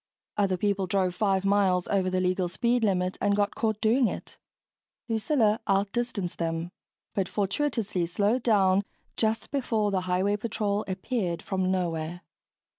Other people drove five miles over the legal speed limit and got caught doing it Lucilla out distanced them, but fortuitously slowed down just before the highway patrol appeared from nowhere.